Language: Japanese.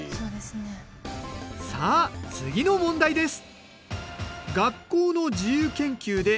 さあ次の問題です。